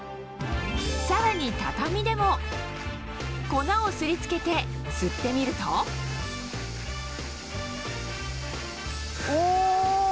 さらに畳でも粉をすり付けて吸ってみるとお！